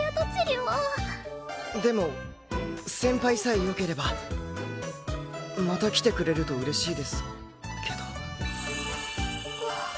でも先輩さえよければまた来てくれると嬉しいですけど。